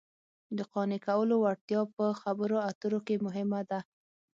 د قانع کولو وړتیا په خبرو اترو کې مهمه ده